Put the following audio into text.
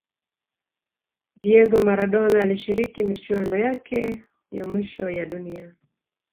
diego maradona alishiriki michuano yake ya mwisho ya dunia